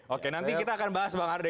oke nanti kita akan bahas bang arda